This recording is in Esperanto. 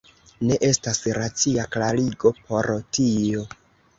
Ne estas racia klarigo por tio.